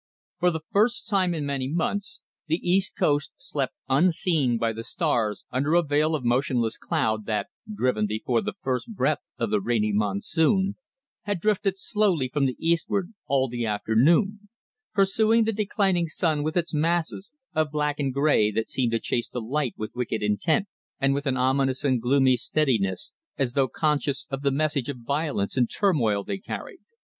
For the first time in many months the East Coast slept unseen by the stars under a veil of motionless cloud that, driven before the first breath of the rainy monsoon, had drifted slowly from the eastward all the afternoon; pursuing the declining sun with its masses of black and grey that seemed to chase the light with wicked intent, and with an ominous and gloomy steadiness, as though conscious of the message of violence and turmoil they carried.